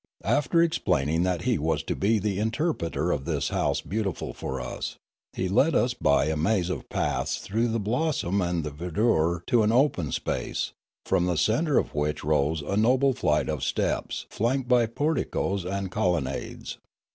After explaining that he was to be the inter preter of this house beautiful for us, he led us by a maze of paths through the blossom and the verdure to an open space, from the centre of which rose a noble flight of steps flanked by porticoes and colonnades.